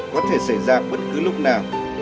có thể xảy ra bất cứ lúc nào